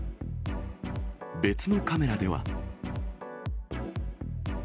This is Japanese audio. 別のカメラでは。